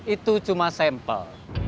itu cuma sampel